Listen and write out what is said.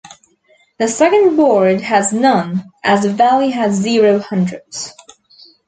The second board has none, as the value has zero hundreds.